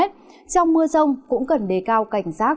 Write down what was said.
trong mưa rông cũng cần đề cao cảnh giác